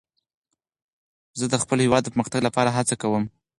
زه د خپل هېواد د پرمختګ لپاره هڅه کوم.